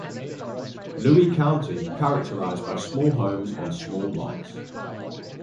Louis County, characterized by small homes on small lots.